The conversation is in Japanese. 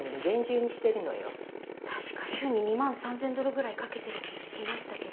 確か週に２万３，０００ドルぐらいかけてるって聞きましたけど。